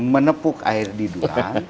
menepuk air di dulang